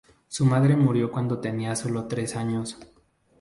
Su madre murió cuándo tenía sólo tres años.